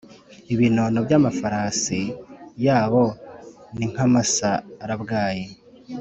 ibinono by’amafarasi yabo ni nk’amasarabwayi,